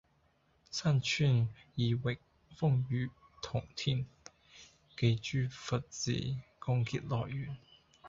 山川異域，風月同天，寄諸佛子，共結來緣